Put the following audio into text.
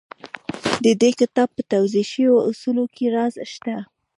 د دې کتاب په توضيح شويو اصولو کې راز شته.